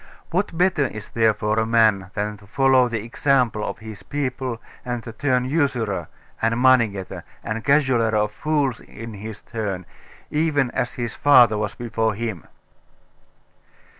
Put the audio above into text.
What better is there for a man, than to follow the example of his people, and to turn usurer, and money getter, and cajoler of fools in his turn, even as his father was before him?"